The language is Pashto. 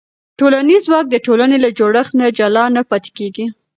ټولنیز ځواک د ټولنې له جوړښت نه جلا نه پاتې کېږي.